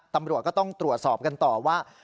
ตำรวจก็ต้องตรวจสอบกันต่อว่า